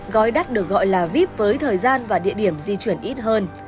gói đắt được gọi là vip với thời gian và địa điểm di chuyển ít hơn